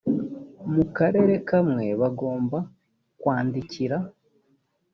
mu karere kamwe bagomba kwandikira